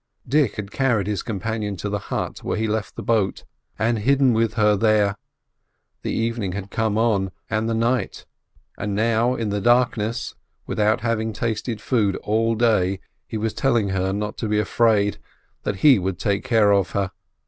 Dick had carried his companion to the hut when he left the boat, and hidden with her there; the evening had come on, and the night, and now in the darkness, without having tasted food all day, he was telling her not to be afraid, that he would take care of her.